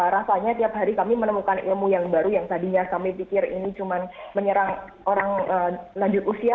rasanya tiap hari kami menemukan ilmu yang baru yang tadinya kami pikir ini cuma menyerang orang lanjut usia